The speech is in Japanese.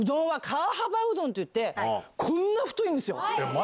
こんな太いんですよ。